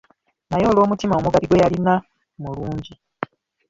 Naye olw’omutima omugabi gwe yalina mulungi.